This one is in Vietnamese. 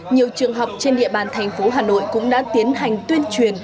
nhiều trường học trên địa bàn thành phố hà nội cũng đã tiến hành tuyên truyền